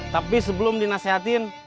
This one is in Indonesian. tapi sebelum dinasehatin